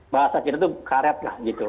bahasa kita tuh karet lah gitu